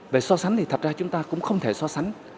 về so sánh thì thật ra chúng ta cũng không thể so sánh